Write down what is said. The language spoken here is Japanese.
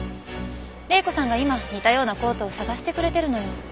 玲子さんが今似たようなコートを探してくれてるのよ。